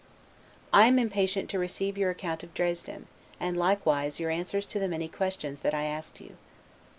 I am impatient to receive your account of Dresden, and likewise your answers to the many questions that I asked you.